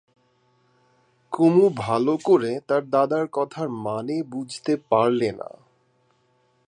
কুমু ভালো করে তার দাদার কথার মানে বুঝতে পারলে না।